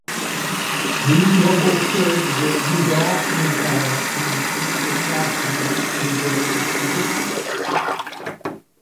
These nobles served the Mughal Empire in their own capacity in various regions.